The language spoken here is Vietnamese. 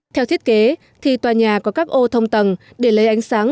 theo thiết kế thì tòa nhà có các ô thông tầng để lấy ánh sáng